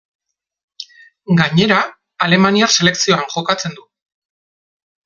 Gainera alemaniar selekzioan jokatzen du.